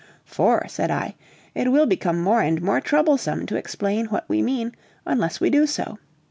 "For," said I, "it will become more and more troublesome to explain what we mean, unless we do so.